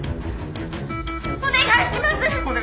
お願いします。